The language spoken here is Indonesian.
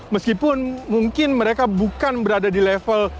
meskipun mungkin mereka bukan berada di level